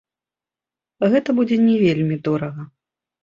Гэта будзе не вельмі дорага.